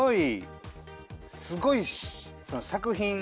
すごい作品。